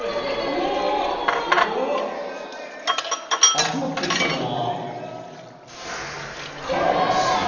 ［集まってきたのは］